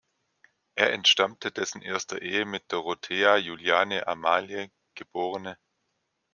Er entstammte dessen erster Ehe mit Dorothea Juliane Amalie, geb.